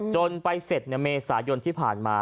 จนไปเสร็จในเมษายนที่ผ่านมา